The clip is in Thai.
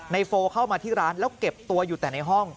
โฟเข้ามาที่ร้านแล้วเก็บตัวอยู่แต่ในห้อง